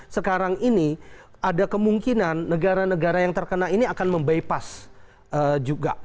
sekarang ini ada kemungkinan negara negara yang terkena ini akan mem bypass juga